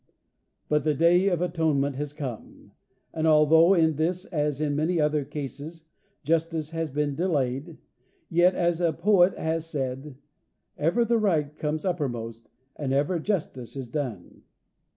But the day of atonement has come, and although in this as in many other cases justice has been delayed, yet as a poet has said, " Ever the right comes uppermost, and ever justice is done."